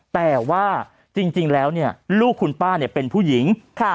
แต่ว่าจริงแล้วลูกคุณป้าเป็นผู้หญิง